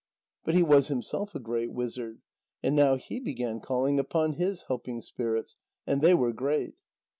But he was himself a great wizard, and now he began calling upon his helping spirits. And they were great.